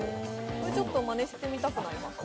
これちょっとまねしてみたくなりますね